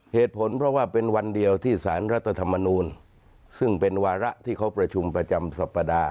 เหตุผลเพราะว่าเป็นวันเดียวที่สารรัฐธรรมนูลซึ่งเป็นวาระที่เขาประชุมประจำสัปดาห์